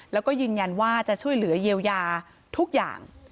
แล้วก็ยืนยันว่าจะช่วยเหลือเยียวยาทุกอย่าง